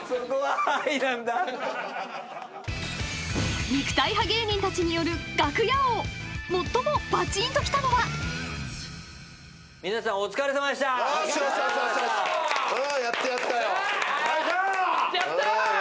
こんにちは！